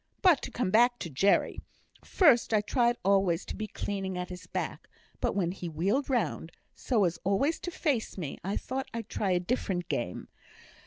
But to come back to Jerry. First, I tried always to be cleaning at his back; but when he wheeled round, so as always to face me, I thought I'd try a different game.